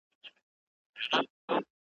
هره تيږه يې پاميرؤ ,